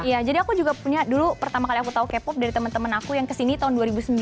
iya jadi aku juga punya dulu pertama kali aku tahu k pop dari teman teman aku yang kesini tahun dua ribu sembilan